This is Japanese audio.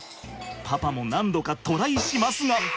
パパも何度かトライしますが。